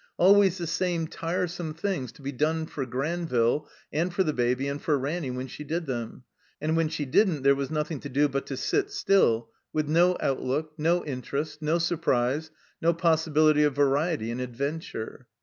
Always the same tiresome things to be done for Granville and for the Baby and for Ranny, when she did them; and when she didn't there wais nothing to do but to sit still, with no out , look, no interest, no surprise, no possibility of variety and adventure.